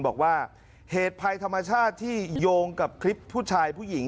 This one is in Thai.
บอกว่าเหตุภัยธรรมชาติที่โยงกับคลิปผู้ชายผู้หญิง